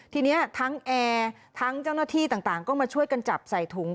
ทีนี้ทั้งแอร์ทั้งเจ้าหน้าที่ต่างก็มาช่วยกันจับใส่ถุง